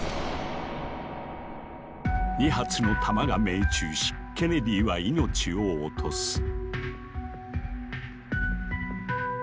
２発の弾が命中しケネディは命を落とす。